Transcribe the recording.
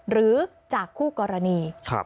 หรือจากคู่กรณี